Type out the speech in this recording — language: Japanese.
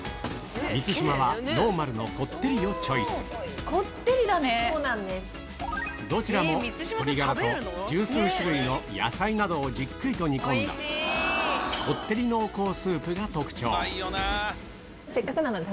満島はノーマルのこってりをチョイスどちらも鶏ガラと１０数種類の野菜などをじっくりと煮込んだせっかくなので。